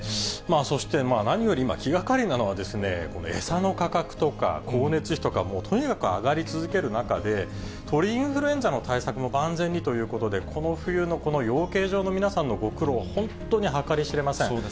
そして、何より今、気がかりなのは、この餌の価格とか光熱費とか、もうとにかく上がり続ける中で、鳥インフルエンザの対策も万全にということで、この冬のこの養鶏場の皆さんのご苦労、本当に計り知れません。